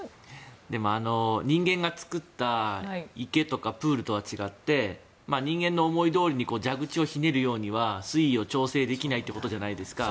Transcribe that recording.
でも、人間が作った池とかプールとは違って人間の思いどおりに蛇口をひねるようには水位を調整できないってことじゃないですか。